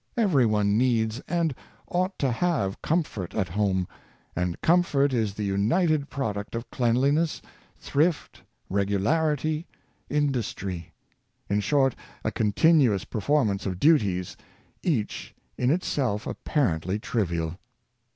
Every one needs, and ought to have, comfort at home; and comfort is the united product of cleanliness, thrift, regularity, industry — in short, a continuous performance of duties, each in itself apparently trivial.